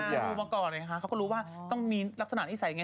ดูมาก่อนเลยค่ะเขาก็รู้ว่าต้องมีลักษณะนิสัยอย่างไร